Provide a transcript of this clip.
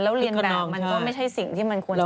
แล้วเรียนแบบมันก็ไม่ใช่สิ่งที่มันควรจะ